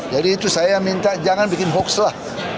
jadi itu saya minta jangan bikin hoax lah